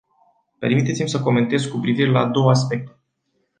Permiteți-mi să comentez cu privire la două aspecte.